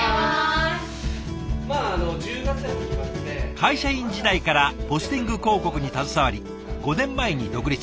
会社員時代からポスティング広告に携わり５年前に独立。